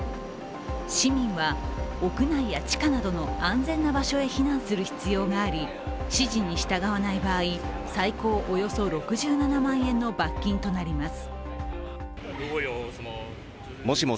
市民は屋内や地下などの安全な場所へ避難する必要があり指示に従わない場合、最高およそ６７万円の罰金となります。